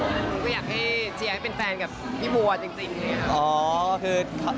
หนูก็อยากให้เชียร์ให้เป็นแฟนกับพี่บัวจริงเลยค่ะ